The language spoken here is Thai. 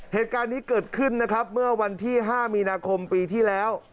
เหตุการณ์นี้เกิดขึ้นนะครับเมื่อวันที่๕มีนาคมปีที่แล้ว